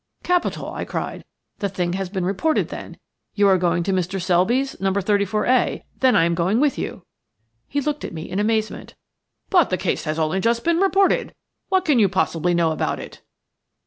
"Capital," I cried. "The thing has been reported then? You are going to Mr. Selby's, No. 34A; then I am going with you." He looked at me in amazement. "But the case has only just been reported. What can you possibly know about it?"